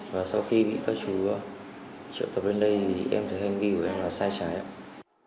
và sau khi bị các chú trợ tập lên đây thì em thấy em ghi của em là sai trái ạ